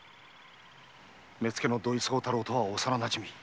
目付の土井相太郎とは幼なじみ。